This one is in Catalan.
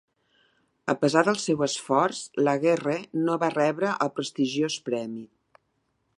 A pesar del seu esforç, Laguerre no va rebre el prestigiós premi.